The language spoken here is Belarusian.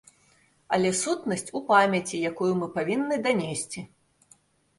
Але сутнасць у памяці, якую мы павінны данесці.